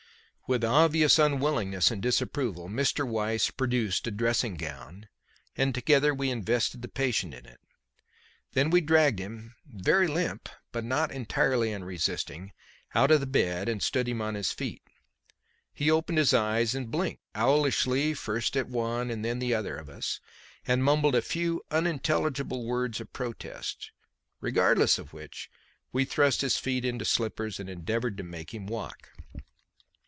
With obvious unwillingness and disapproval, Mr. Weiss produced a dressing gown and together we invested the patient in it. Then we dragged him, very limp, but not entirely unresisting, out of bed and stood him on his feet. He opened his eyes and blinked owlishly first at one and then at the other of us, and mumbled a few unintelligible words of protest; regardless of which, we thrust his feet into slippers and endeavoured to make him walk.